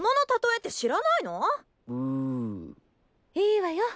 いいわよ